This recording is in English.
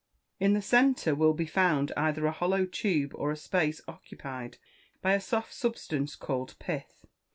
In the centre will be found either a hollow tube, or a space occupied by a soft substance called pith.